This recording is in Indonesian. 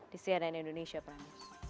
di cnn indonesia pramus